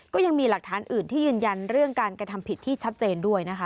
ก็ยังมีหลักฐานอื่นที่ยืนยันเรื่องการกระทำผิดที่ชัดเจนด้วยนะคะ